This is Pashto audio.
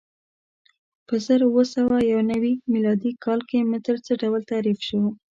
په زر اووه سوه یو نوې میلادي کال کې متر څه ډول تعریف شو؟